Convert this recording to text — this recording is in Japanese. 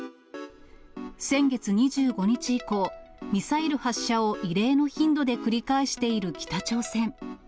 先月２５日以降、ミサイル発射を異例の頻度で繰り返している北朝鮮。